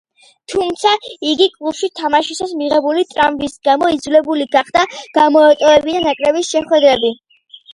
თუმცა, იგი კლუბში თამაშისას მიღებული ტრამვის გამო იძულებული გახდა გამოეტოვებინა ნაკრების შეხვედრები.